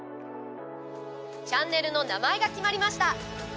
チャンネルの名前が決まりました。